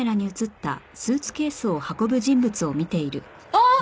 あっ！